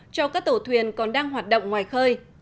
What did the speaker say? cho các tàu thuyền còn đang hoạt động ngoài khơi